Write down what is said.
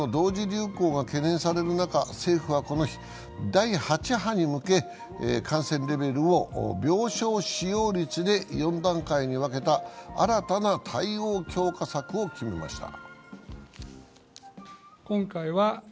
流行が懸念される中、政府はこの日、第８波に向け感染レベルを病床使用率で４段階に分けた新たな対応強化策を決めました。